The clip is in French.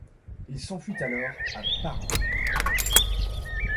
Il s'enfuit alors à Parme.